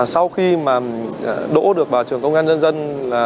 sau khi mà đỗ được vào trường công an dân dân